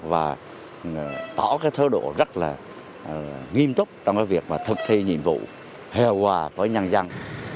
và tỏ cái thơ độ rất là nghiêm túc trong cái việc mà thực thi nhiệm vụ hài hòa với nhân dân